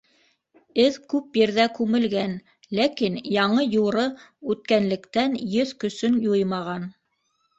Эҙ күп ерҙә күмелгән, ләкин яңы-юры үткәнлектән, еҫ көсөн юймаған.